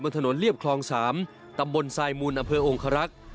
ถนนเรียบคลอง๓ตำบลทรายมูลอำเภอองครักษ์